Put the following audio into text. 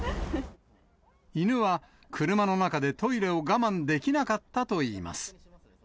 犬は車の中でトイレを我慢できなかったといいます。